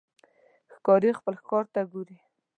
ښکاري خپل ښکار ته ګوري.